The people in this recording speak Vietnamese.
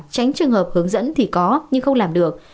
tránh trường hợp hướng dẫn thì có nhưng không làm được